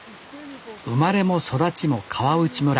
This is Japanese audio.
生まれも育ちも川内村。